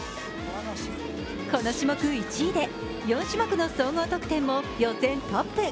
この種目１位で４種目の総合得点も予選トップ。